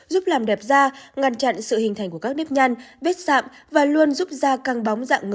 giúp làm đẹp da ngăn chặn sự hình thành của các nếp nhăn vết sạm và luôn giúp da căng bóng dạng ngỡ